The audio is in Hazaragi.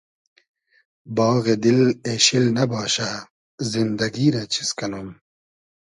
باغی دیل اېشیل نئباشۂ زیندئگی رۂ چیز کئنوم